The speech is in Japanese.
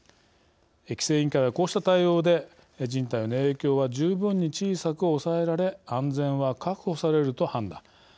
規制委員会はこうした対応で人体への影響は十分に小さく抑えられ安全は確保されると判断。